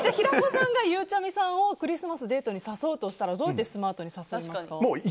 平子さんが、ゆうちゃみさんをデートに誘うならどうやってスマートに誘いますか？